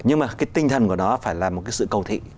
nhưng mà cái tinh thần của nó phải là một cái sự cầu thị